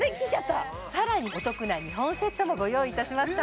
さらにお得な２本セットもご用意いたしました